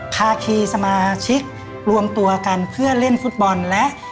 ภาคีสมาชิกรวมตัวกันเพื่อเล่นฟุตบอลและ